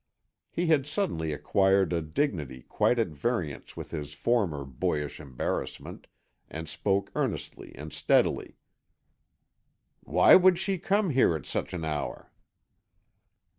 He had suddenly acquired a dignity quite at variance with his former boyish embarrassment, and spoke earnestly and steadily. "Why would she come here at such an hour?"